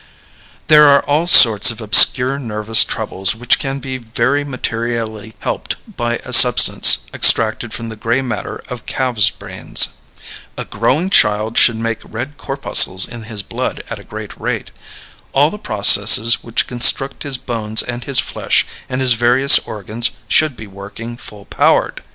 There are all sorts of obscure nervous troubles which can be very materially helped by a substance extracted from the gray matter of calves' brains. A growing child should make red corpuscles in his blood at a great rate. All the processes which construct his bones and his flesh and his various organs should be working full powered.